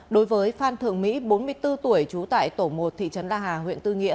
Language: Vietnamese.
đối với phan thượng mỹ bốn mươi bốn tuổi trú tại tổ một thị trấn đa hà huyện tư nghĩa